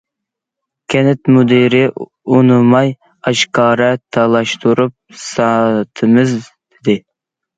كەنت مۇدىرى ئۇنىماي:« ئاشكارا تالاشتۇرۇپ ساتىمىز» دېدى.